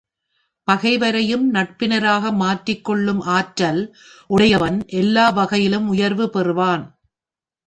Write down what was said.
பகைவரையும் நட்பினராக மாற்றிக்கொள்ளும் ஆற்றல் உடையவன் எல்லா வகையிலும் உயர்வு பெறுவான்.